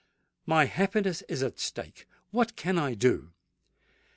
"My happiness is at stake. What can I do?